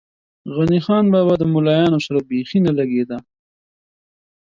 غني خان بابا ده ملایانو سره بېخی نه لږې ده.